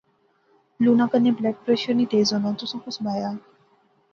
لُوناں کنے بلڈ پریشر نی تیز ہونا تساں کُس بایا